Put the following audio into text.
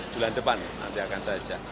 bulan depan nanti akan saja